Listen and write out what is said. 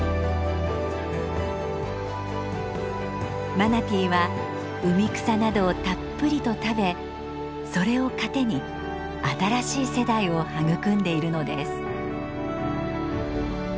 マナティーは海草などをたっぷりと食べそれを糧に新しい世代を育んでいるのです。